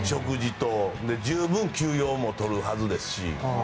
それで、十分休養もとるはずですし。